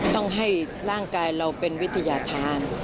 ต้องให้ร่างกายเราเป็นวิทยาธาร